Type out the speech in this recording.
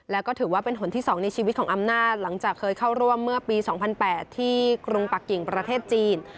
แล้วก็ถือว่าเป็นหนที่๒ในชีวิตของอำนาจหลังจากเคยเข้าร่วมเมื่อปี๒๐๐๘ที่กรุงปักกิ่งประเทศจีน